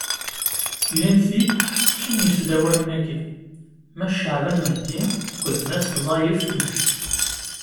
Gan-t-id sin yisdawanen-agi: Mass Caɛban Mahdi akked Mass Zayef Mahdi.